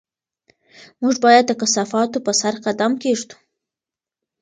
موږ باید د کثافاتو په سر قدم کېږدو.